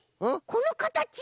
このかたち？